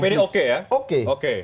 untuk dpd oke ya oke